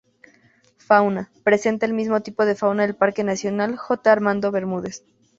Fauna: presenta el mismo tipo de fauna del Parque Nacional J. Armando Bermúdez.